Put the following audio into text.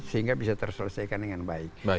sehingga bisa terselesaikan dengan baik